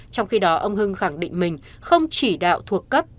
trong khi đó ông hưng khẳng định mình không chỉ đạo thuộc cấp